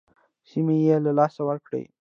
سیمې یې له لاسه ورکړې.